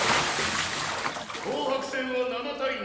紅白戦は７対７。